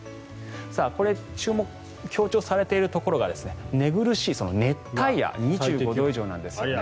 これ、強調されているところが寝苦しい熱帯夜２５度以上なんですね。